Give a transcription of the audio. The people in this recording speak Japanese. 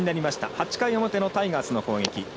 ８回表のタイガースの攻撃。